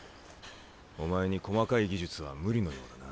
お前に細かい技術は無理のようだな。